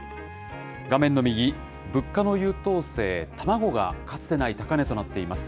画面の右、物価の優等生、卵がかつてない高値となっています。